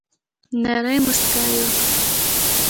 نرۍ مسکا یي وکړه